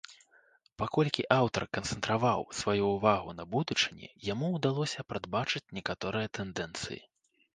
Паколькі аўтар канцэнтраваў сваю ўвагу на будучыні, яму ўдалося прадбачыць некаторыя тэндэнцыі.